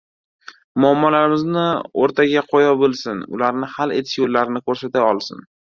muammolarimizni o‘rtaga qo‘ya bilsin, ularni hal etish yo‘llarini ko‘rsata olsin…